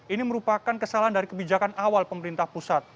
ini merupakan kesalahan dari kebijakan awal pemerintah pusat